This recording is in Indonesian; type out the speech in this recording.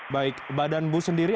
baik badan bu sendiri